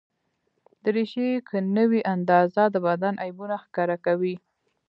دریشي که نه وي اندازه، د بدن عیبونه ښکاره کوي.